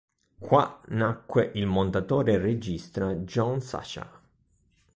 Qua nacque il montatore e regista Jean Sacha.